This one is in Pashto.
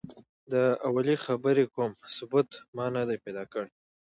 د اولې خبرې کوم ثبوت ما نه دی پیدا کړی.